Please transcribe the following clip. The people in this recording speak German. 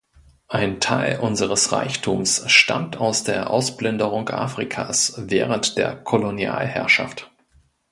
Ein Teil unseres Reichtums stammt aus der Ausplünderung Afrikas während der Kolonialherrschaft.